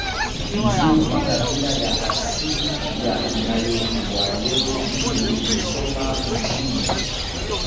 ndiyo makabila ya asili ya inayoitwa leo hii Musoma mjini